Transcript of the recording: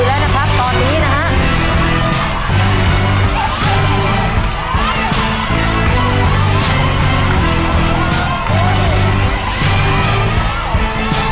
คือใส่ข้าวโพสไม่ได้เหลียมเลยไอ้แม่มันผลังทางอ่ะ